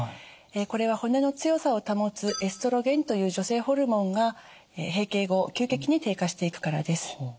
これは骨の強さを保つエストロゲンという女性ホルモンが閉経後急激に低下していくからです。